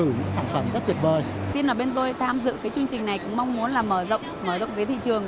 những sản phẩm rất tuyệt vời tin là bên tôi tham dự chương trình này cũng mong muốn mở rộng thị trường